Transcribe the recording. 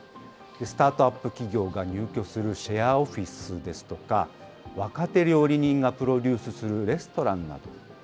スタートアップ企業が入居するシェアオフィスですとか、若手料理人がプロデュースするレストランなど。